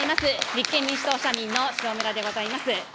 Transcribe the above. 立憲民主・社民の塩村でございます。